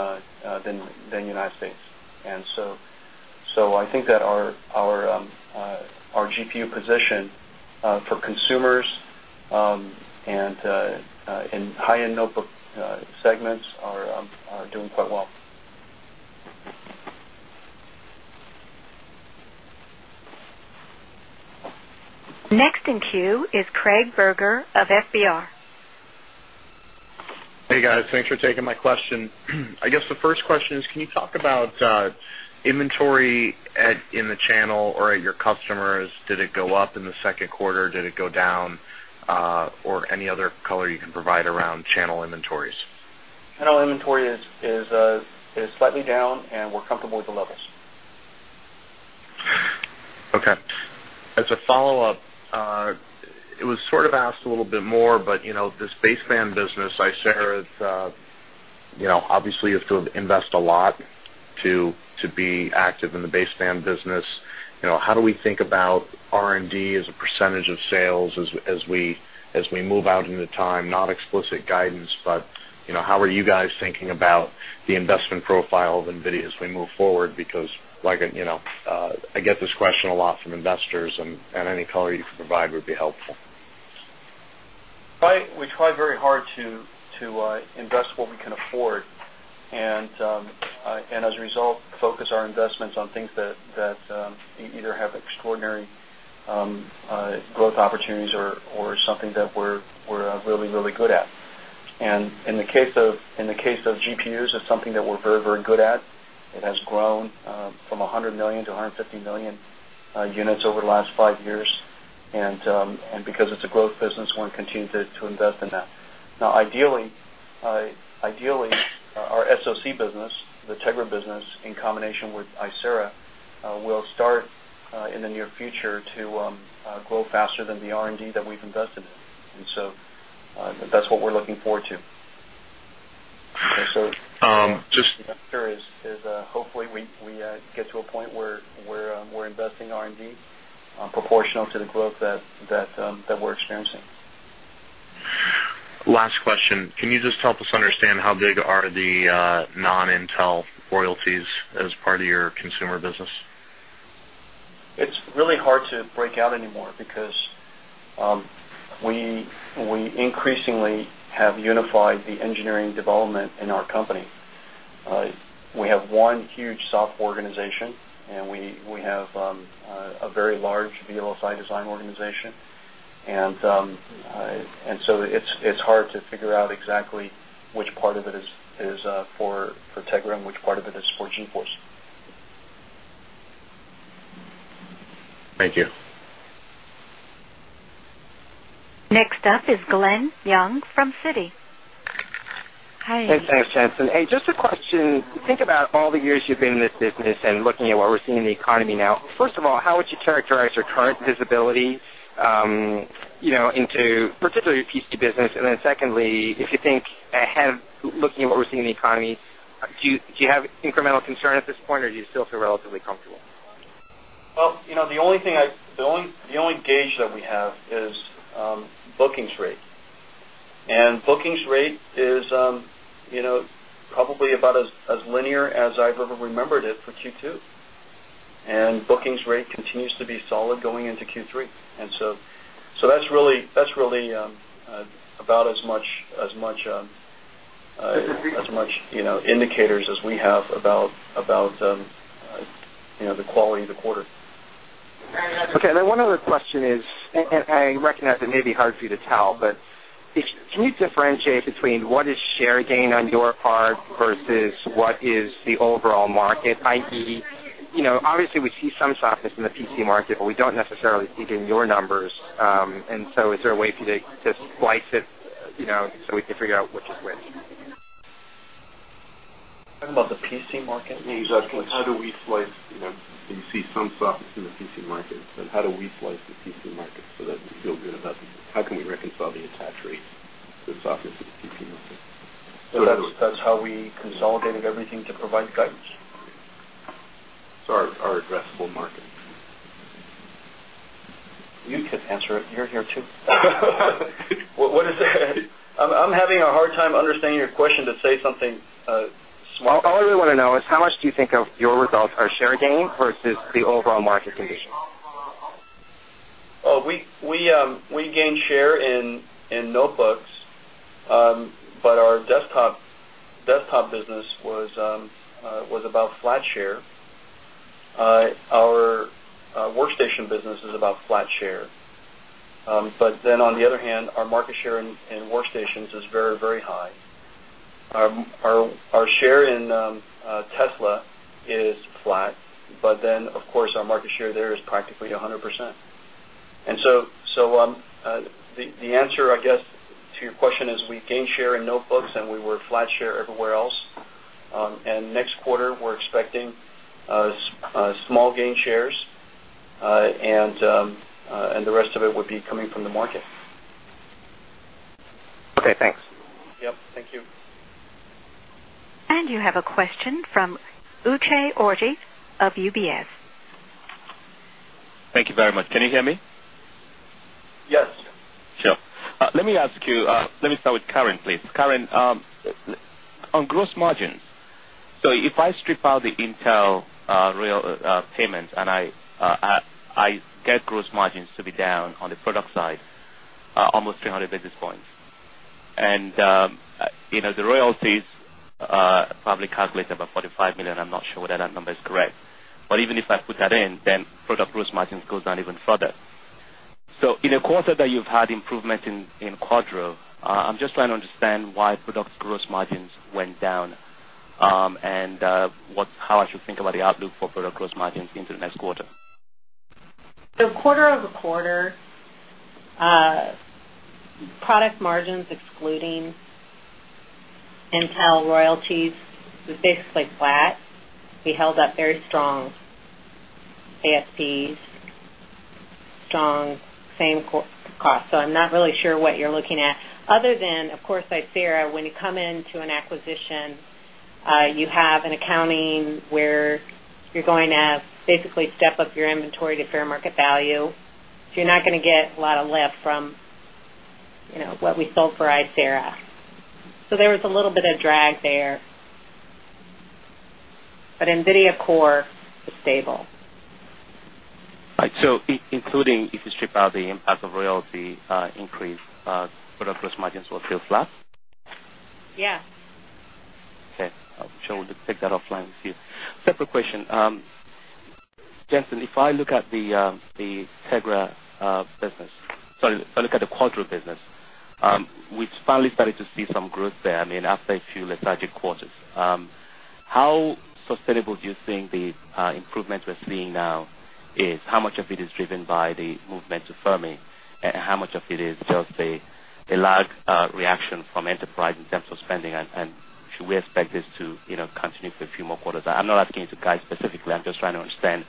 Speaker 2: the United States. I think that our GPU position for consumers and in high-end notebook segments are doing quite well.
Speaker 1: Next in queue is Craig Berger of FBR.
Speaker 13: Hey, guys, thanks for taking my question. I guess the first question is, can you talk about inventory in the channel or at your customers? Did it go up in the second quarter? Did it go down? Any other color you can provide around channel inventories?
Speaker 2: Channel inventory is slightly down, and we're comfortable with the levels.
Speaker 13: Okay. As a follow-up, it was sort of asked a little bit more, but you know, this baseband business, I said, you know, obviously, you have to invest a lot to be active in the baseband business. You know, how do we think about R&D as a percentage of sales as we move out into time? Not explicit guidance, but you know, how are you guys thinking about the investment profile of NVIDIA as we move forward? Because, like you know, I get this question a lot from investors, and any color you can provide would be helpful.
Speaker 2: We try very hard to invest what we can afford, and as a result, focus our investments on things that either have extraordinary growth opportunities or something that we're really, really good at. In the case of GPUs, it's something that we're very, very good at. It has grown from 100 million to 150 million units over the last five years. Because it's a growth business, we want to continue to invest in that. Ideally, our SoC business, the Tegra business, in combination with Icera, will start in the near future to grow faster than the R&D that we've invested in, and that's what we're looking forward to. Just curious, hopefully, we get to a point where we're investing R&D proportional to the growth that we're experiencing.
Speaker 13: Last question. Can you just help us understand how big are the non-Intel royalties as part of your consumer business?
Speaker 2: It's really hard to break out anymore because we increasingly have unified the engineering development in our company. We have one huge software organization, and we have a very large VLSI design organization. It's hard to figure out exactly which part of it is for Tegra and which part of it is for GeForce.
Speaker 13: Thank you.
Speaker 1: Next up is Glenn Yeung from Citi.
Speaker 14: Thanks so much, Jen-Hsun. Hey, just a question. Think about all the years you've been in this business and looking at what we're seeing in the economy now. First of all, how would you characterize your current visibility into particularly your PC business? Secondly, if you think ahead, looking at what we're seeing in the economy, do you have incremental concern at this point, or do you still feel relatively comfortable?
Speaker 2: The only thing I, the only gauge that we have is bookings rate. Bookings rate is probably about as linear as I've ever remembered it for Q2, and bookings rate continues to be solid going into Q3. That's really about as much, as much indicators as we have about the quality of the quarter.
Speaker 14: Okay. One other question is, and I recognize it may be hard for you to tell, but if you can, can you differentiate between what is share gain on your part versus what is the overall market? I.e., you know, obviously, we see some softness in the PC market, but we don't necessarily see it in your numbers. Is there a way for you to flight it, you know, so we can figure out which is which?
Speaker 2: Talking about the PC market?
Speaker 3: Exactly. Do you see some softness in the PC market? How do we flight the PC market so that we feel good about how can we reconcile the attach rate? [The softness is between us].
Speaker 2: That's how we consolidated everything to provide guidance.
Speaker 3: So, our addressable market.
Speaker 2: You can answer it. You're here too. What is it? I'm having a hard time understanding your question to say something more.
Speaker 14: All we really want to know is how much do you think of your results are share gain versus the overall market condition?
Speaker 2: We gain share in notebooks, but our desktop business was about flat share. Our workstation business is about flat share. On the other hand, our market share in workstations is very, very high. Our share in Tesla is flat, but our market share there is practically 100%. The answer to your question is we gain share in notebooks, and we were flat share everywhere else. Next quarter, we're expecting small gain shares, and the rest of it would be coming from the market.
Speaker 14: Okay, thanks.
Speaker 2: Thank you.
Speaker 1: You have a question from Uche Orji of UBS.
Speaker 15: Thank you very much. Can you hear me?
Speaker 2: Yes.
Speaker 15: Sure. Let me ask you, let me start with Karen, please. Karen, on gross margins, if I strip out the Intel payments and I get gross margins to be down on the product side, almost 300 basis points. The royalties probably calculate about $45 million. I'm not sure whether that number is correct. Even if I put that in, product gross margins go down even further. In a quarter that you've had improvement in Quadro, I'm just trying to understand why product gross margins went down and how I should think about the outlook for product gross margins into the next quarter.
Speaker 4: Quarter-over-quarter, product margins excluding Intel royalties was basically flat. We held up very strong AFCs, strong same cost. I'm not really sure what you're looking at. Other than, of course, Icera, when you come into an acquisition, you have an accounting where you're going to basically step up your inventory to fair market value. You're not going to get a lot of lift from what we sold for Icera. There was a little bit of drag there. NVIDIA Core is stable.
Speaker 15: Right. Including if you strip out the impact of royalty increase, product gross margins will feel flat?
Speaker 4: Yes.
Speaker 15: Okay. I'll take that offline with you. Separate question. Jen-Hsun, if I look at the Tegra business, sorry, if I look at the Quadro business, we've finally started to see some growth there. I mean, after a few lethargic quarters, how sustainable do you think the improvement we're seeing now is? How much of it is driven by the movement to Fermi? How much of it is just a lag reaction from enterprise in terms of spending? Should we expect this to continue for a few more quarters? I'm not asking you to guide specifically. I'm just trying to understand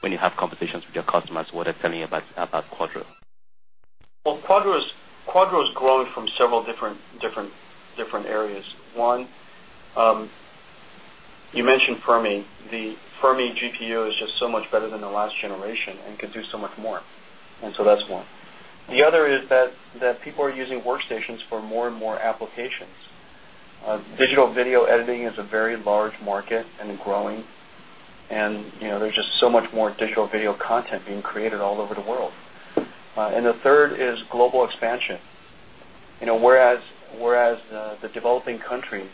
Speaker 15: when you have conversations with your customers, what they're telling you about Quadro.
Speaker 2: Quadro is growing from several different areas. You mentioned Fermi. The Fermi GPU is just so much better than the last generation and could do so much more. That's one. The other is that people are using workstations for more and more applications. Digital video editing is a very large market and growing. There's just so much more digital video content being created all over the world. The third is global expansion. Whereas the developing countries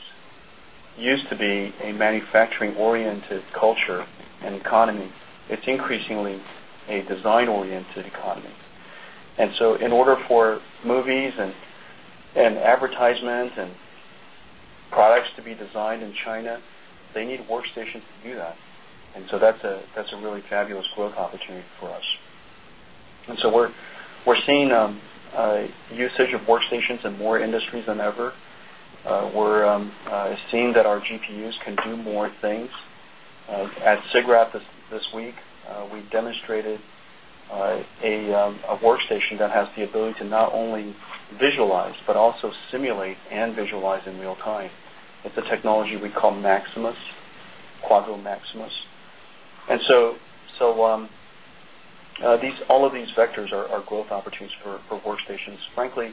Speaker 2: used to be a manufacturing-oriented culture and economy, it's increasingly a design-oriented economy. In order for movies and advertisements and products to be designed in China, they need workstations to do that. That's a really fabulous growth opportunity for us. We're seeing usage of workstations in more industries than ever. We're seeing that our GPUs can do more things. At SIGGRAPH this week, we demonstrated a workstation that has the ability to not only visualize, but also simulate and visualize in real time. It's a technology we call Maximus, Quadro Maximus. All of these vectors are growth opportunities for workstations. Frankly,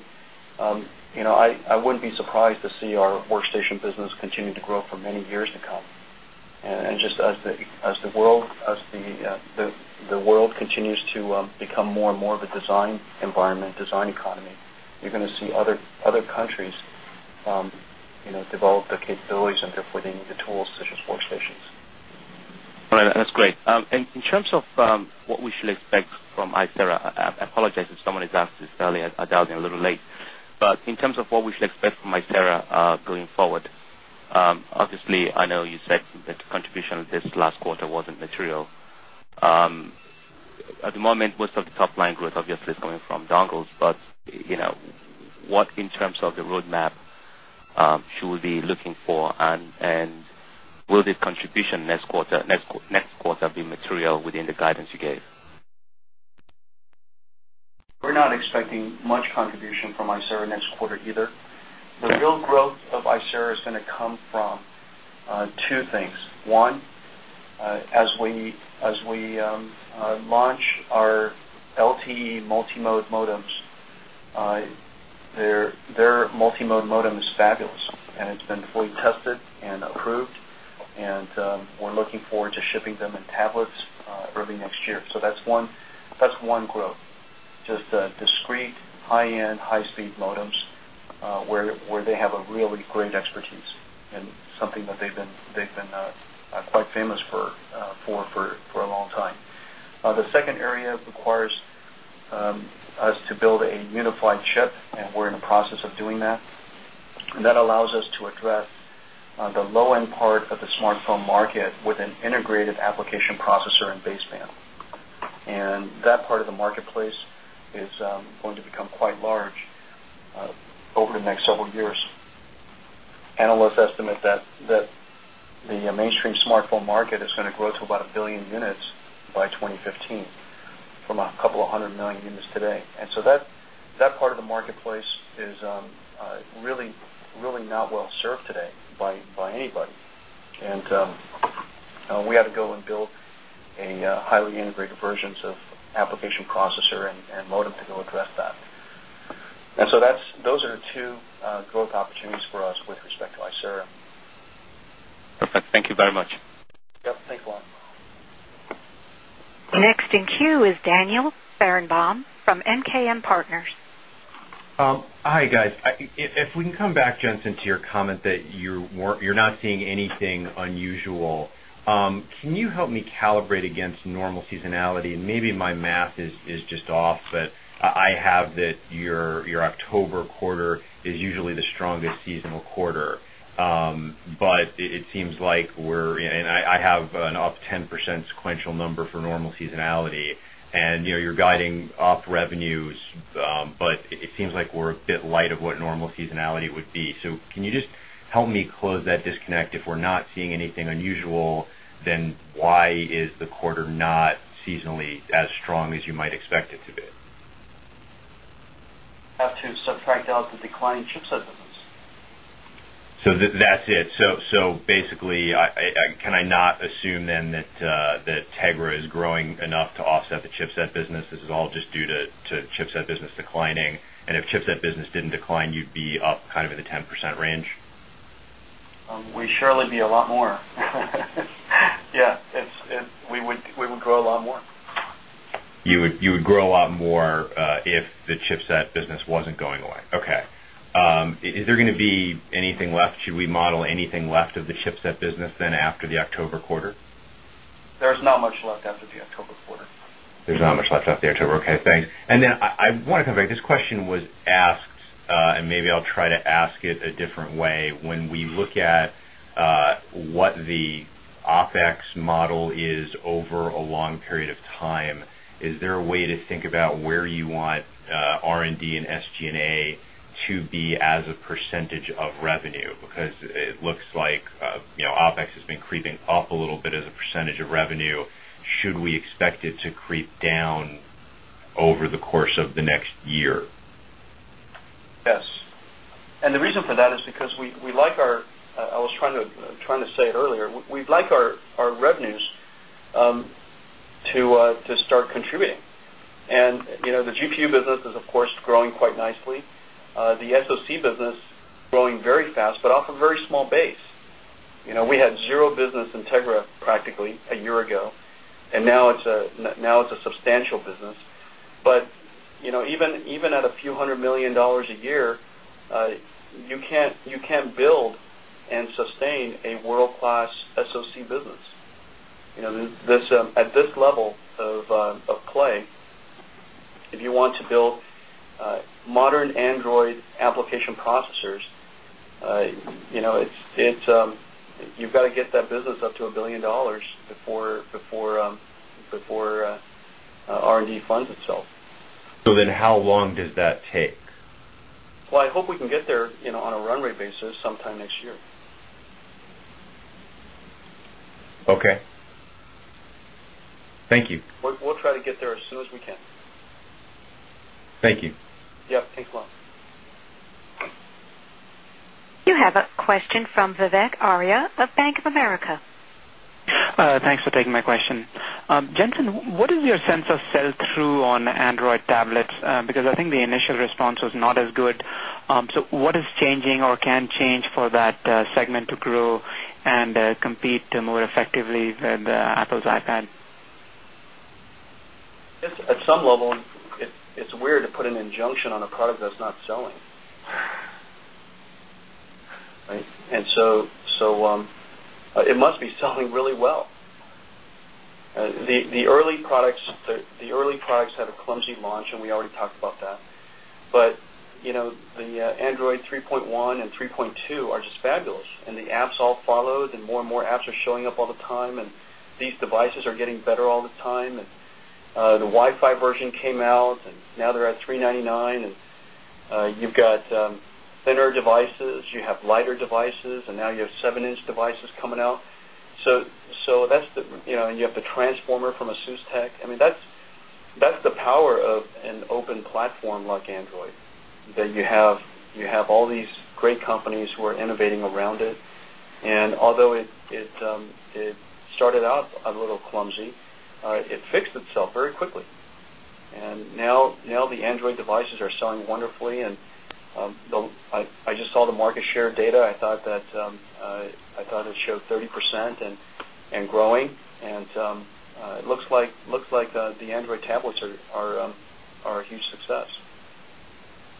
Speaker 2: I wouldn't be surprised to see our workstation business continue to grow for many years to come. Just as the world continues to become more and more of a design environment, design economy, you're going to see other countries develop the capabilities, and therefore, they need the tools such as workstations.
Speaker 15: All right, that's great. In terms of what we should expect from Icera, I apologize if someone has asked this earlier. I dialed in in a little late. In terms of what we should expect from Icera going forward, obviously, I know you said that the contribution of this last quarter wasn't material. At the moment, most of the top-line growth, obviously, is coming from dongles. What in terms of the roadmap should we be looking for? Will this contribution next quarter be material within the guidance you gave?
Speaker 2: We're not expecting much contribution from Icera next quarter either. The real growth of Icera is going to come from two things. One, as we launch our LTE multimode modems, their multimode modem is fabulous, and it's been fully tested and approved. We're looking forward to shipping them in tablets early next year. That's one growth: just discrete, high-end, high-speed modems where they have a really great expertise and something that they've been quite famous for a long time. The second area requires us to build a unified chip, and we're in the process of doing that. That allows us to address the low-end part of the smartphone market with an integrated application processor and baseband. That part of the marketplace is going to become quite large over the next several years. Analysts estimate that the mainstream smartphone market is going to grow to about 1 billion units by 2015, from a couple of hundred million units today. That part of the marketplace is really, really not well served today by anybody. We had to go and build highly integrated versions of application processor and modem to go address that. Those are the two growth opportunities for us with respect to Icera.
Speaker 15: Perfect. Thank you very much.
Speaker 2: Yep, thanks a lot.
Speaker 1: Next in queue is Daniel Berenbaum from MKM Partners.
Speaker 16: Hi guys. If we can come back, Jen-Hsun, to your comment that you're not seeing anything unusual, can you help me calibrate against normal seasonality? Maybe my math is just off, but I have that your October quarter is usually the strongest seasonal quarter. It seems like we're, and I have an off 10% sequential number for normal seasonality. You know you're guiding off revenues, but it seems like we're a bit light of what normal seasonality would be. Can you just help me close that disconnect? If we're not seeing anything unusual, then why is the quarter not seasonally as strong as you might expect it to be?
Speaker 2: Have to subtract out the declining chipset business.
Speaker 16: That's it? Can I not assume then that Tegra is growing enough to offset the chipset business? This is all just due to chipset business declining. If chipset business didn't decline, you'd be up kind of in the 10% range?
Speaker 2: We'd surely be a lot more. We would grow a lot more.
Speaker 16: You would grow a lot more if the chipset business wasn't going away. Okay. Is there going to be anything left? Should we model anything left of the chipset business then after the October quarter?
Speaker 2: There's not much left after the October quarter.
Speaker 16: There's not much left after the October. Okay, thanks. I want to come back. This question was asked, maybe I'll try to ask it a different way. When we look at what the OpEx model is over a long period of time, is there a way to think about where you want R&D and SG&A to be as a percentage of revenue? Because it looks like OpEx has been creeping up a little bit as a percentage of revenue. Should we expect it to creep down over the course of the next year?
Speaker 2: Yes, the reason for that is because we like our revenues to start contributing. You know the GPU business is, of course, growing quite nicely. The SoC business is growing very fast, but off a very small base. You know we had zero business in Tegra practically a year ago, and now it's a substantial business. Even at a few hundred million dollars a year, you can't build and sustain a world-class SoC business. At this level of play, if you want to build modern Android application processors, you've got to get that business up to $1 billion before R&D funds itself.
Speaker 16: How long does that take?
Speaker 2: I hope we can get there on a runway basis sometime next year.
Speaker 16: Okay. Thank you.
Speaker 2: We'll try to get there as soon as we can.
Speaker 16: Thank you.
Speaker 2: Yep, thanks a lot.
Speaker 1: You have a question from Vivek Arya of Bank of America.
Speaker 17: Thanks for taking my question. Jen-Hsun, what is your sense of sell-through on Android tablets? I think the initial response was not as good. What is changing or can change for that segment to grow and compete more effectively with Apple's iPad?
Speaker 2: At some level, it's weird to put an injunction on a product that's not selling. It must be selling really well. The early products had a clumsy launch, and we already talked about that. You know, the Android 3.1 and 3.2 are just fabulous, and the apps all follow. More and more apps are showing up all the time. These devices are getting better all the time. The Wi-Fi version came out, and now they're at $399. You've got thinner devices, you have lighter devices, and now you have seven-inch devices coming out. That's the, you know, and you have the Transformer from ASUSTeK. I mean, that's the power of an open platform like Android that you have. You have all these great companies who are innovating around it. Although it started out a little clumsy, it fixed itself very quickly. Now the Android devices are selling wonderfully. I just saw the market share data. I thought that it showed 30% and growing. It looks like the Android tablets are a huge success.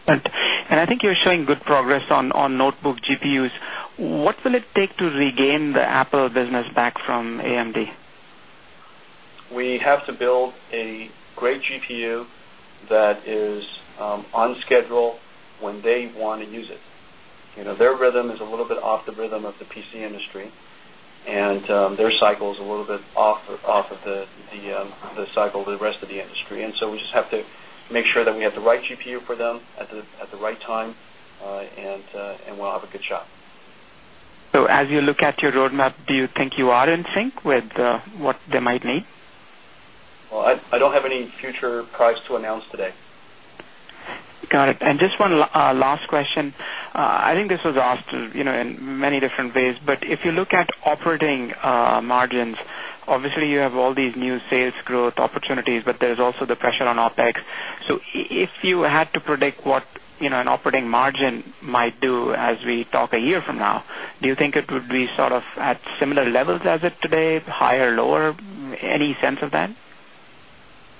Speaker 17: I think you're showing good progress on notebook GPUs. What will it take to regain the Apple business back from AMD?
Speaker 2: We have to build a great GPU that is on schedule when they want and use it. Their rhythm is a little bit off the rhythm of the PC industry, and their cycle is a little bit off of the cycle of the rest of the industry. We just have to make sure that we have the right GPU for them at the right time, and we'll have a good shot.
Speaker 17: As you look at your roadmap, do you think you are in sync with what they might need?
Speaker 2: I don't have any future products to announce today.
Speaker 17: Got it. Just one last question. I think this was asked in many different ways. If you look at operating margins, obviously, you have all these new sales growth opportunities, but there's also the pressure on OpEx. If you had to predict what an operating margin might do as we talk a year from now, do you think it would be sort of at similar levels as it is today, higher, lower? Any sense of that?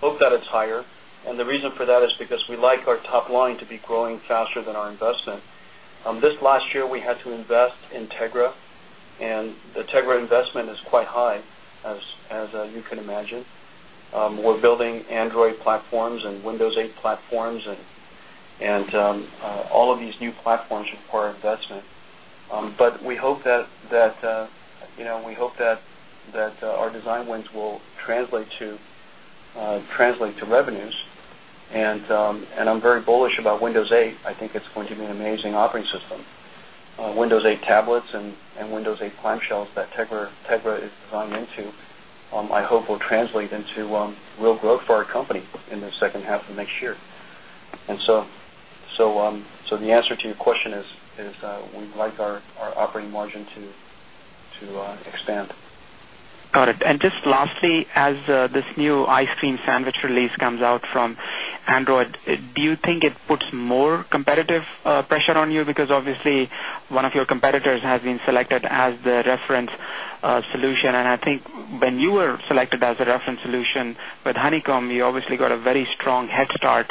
Speaker 2: Hope that it's higher. The reason for that is because we like our top line to be growing faster than our investment. This last year, we had to invest in Tegra. The Tegra investment is quite high, as you can imagine. We're building Android platforms and Windows 8 platforms. All of these new platforms require investment. We hope that our design wins will translate to revenues. I'm very bullish about Windows 8. I think it's going to be an amazing operating system. Windows 8 tablets and Windows 8 clamshells that Tegra is designed into, I hope will translate into real growth for our company in the second half of next year. The answer to your question is we'd like our operating margin to expand.
Speaker 17: Got it. Just lastly, as this new Ice Cream Sandwich release comes out from Android, do you think it puts more competitive pressure on you? Obviously, one of your competitors has been selected as the reference solution. I think when you were selected as a reference solution with Honeycomb, you got a very strong head start.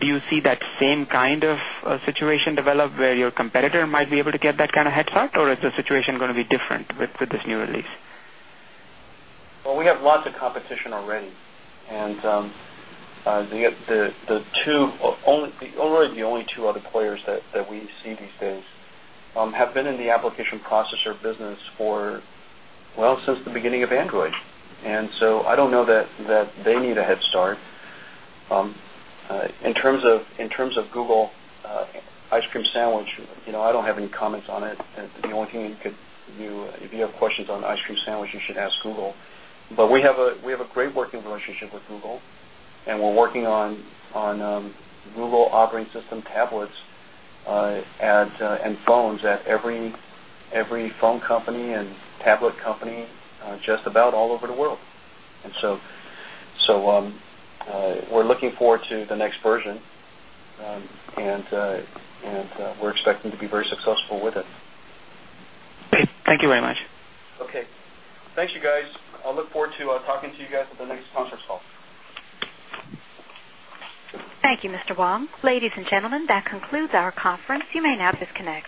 Speaker 17: Do you see that same kind of situation develop where your competitor might be able to get that kind of head start, or is the situation going to be different with this new release?
Speaker 2: We have lots of competition already. The only two other players that we see these days have been in the application processor business for, well, since the beginning of Android. I don't know that they need a head start. In terms of Google Ice Cream Sandwich, I don't have any comments on it. The only thing you could, if you have questions on Ice Cream Sandwich, you should ask Google. We have a great working relationship with Google, and we're working on Google operating system tablets and phones at every phone company and tablet company just about all over the world. We're looking forward to the next version, and we're expecting to be very successful with it.
Speaker 17: Thank you very much.
Speaker 2: Okay, thanks, you guys. I'll look forward to talking to you guys at the next conference call.
Speaker 1: Thank you, Mr. Huang. Ladies and gentlemen, that concludes our conference. You may now disconnect.